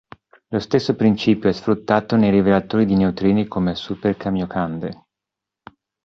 Lo stesso principio è sfruttato nei rivelatori di neutrini come Super-Kamiokande.